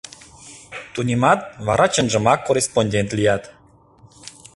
Тунемат, вара чынжымак корреспондент лият.